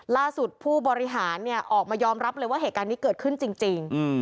ผู้บริหารออกมายอมรับเลยว่าเหตุการณ์นี้เกิดขึ้นจริง